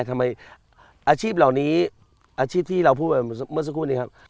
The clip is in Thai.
อาชีพเหล่านี้อาชีพที่เราพูดไปเมื่อสักครู่นี้ครับ